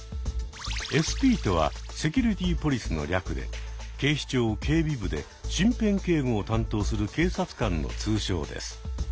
ＳＰとはセキュリティ・ポリスの略で警視庁警備部で身辺警護を担当する警察官の通称です。